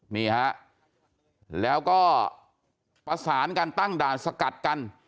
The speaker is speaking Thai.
นี่ฮะแล้วก็ประสานกันตั้งด่านสกัดกัน